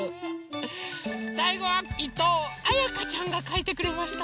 さいごはいとうあやかちゃんがかいてくれました。